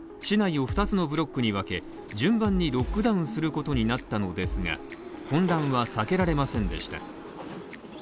市内を２つのブロックに分け順番にロックダウンすることになったのですが混乱は避けられませんでした。